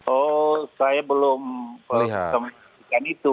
oh saya belum menentukan itu